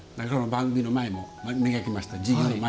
番組の前も磨きました。